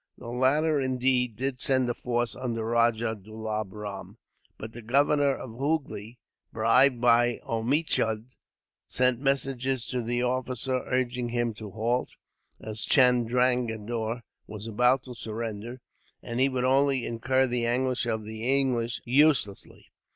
The latter, indeed, did send a force under Rajah Dulab Ram, but the governor of Hoogly, bribed by Omichund, sent messages to this officer urging him to halt, as Chandranagore was about to surrender, and he would only incur the anger of the English, uselessly.